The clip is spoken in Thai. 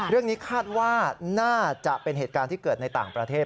เรื่องนี้คาดว่าน่าจะเป็นเหตุการณ์ที่เกิดในต่างประเทศ